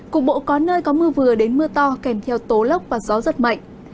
cục bộ có nơi có mưa vừa đến mưa to kèm theo tố lốc và gió giật mạnh